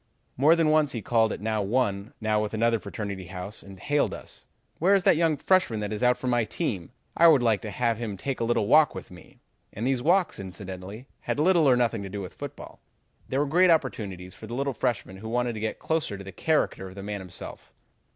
More than once he called at now one, now another fraternity house and hailed us: 'Where is that young freshman that is out for my team? I would like to have him take a little walk with me.' And these walks, incidentally, had little or nothing to do with football. They were great opportunities for the little freshman who wanted to get closer to the character of the man himself.